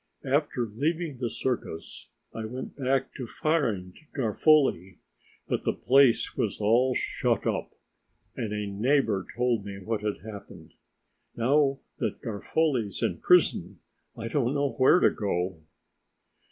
After leaving the circus I went back to find Garofoli, but the place was all shut up, and a neighbor told me what had happened. Now that Garofoli's in prison I don't know where to go.